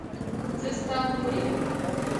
زه ستا ورور یم.